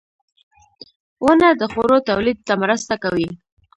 • ونه د خوړو تولید ته مرسته کوي.